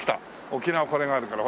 沖縄これがあるから。